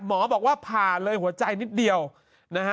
หมอบอกว่าผ่าเลยหัวใจนิดเดียวนะฮะ